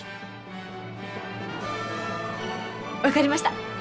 分かりました！